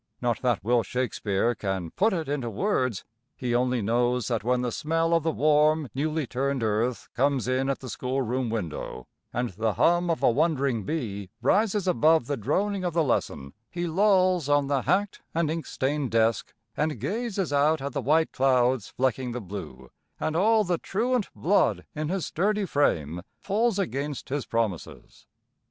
Not that Will Shakespeare can put it into words he only knows that when the smell of the warm, newly turned earth comes in at the schoolroom window and the hum of a wandering bee rises above the droning of the lesson, he lolls on the hacked and ink stained desk and gazes out at the white clouds flecking the blue, and all the truant blood in his sturdy frame pulls against his promises.